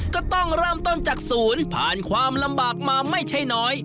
ก็ต้องเริ่มต้นจากศูนย์ผ่านความลำบากมาไม่ใช่น้อย